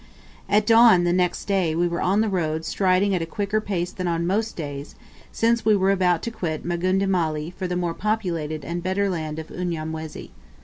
At dawn the neat day we were on the road striding at a quicker pace than on most days, since we were about to quit Magunda Mali for the more populated and better land of Unyamwezi.